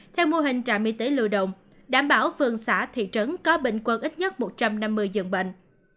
theo mô hình trạm y tế lưu động đảm bảo vườn xã thị trấn có bệnh quân ít nhất một trăm năm mươi dân bệnh